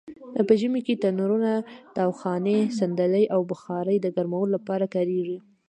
په ژمې کې تنرونه؛ تاوخانې؛ صندلۍ او بخارۍ د ګرمولو لپاره کاریږي.